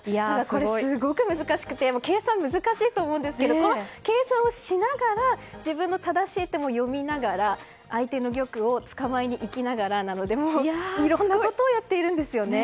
これ、すごく難しくて計算が難しいと思うんですけど計算をしながら自分の正しい手も読みながら相手の玉を捕まえにいきながらなのでもう、いろいろなことをやっているんですね。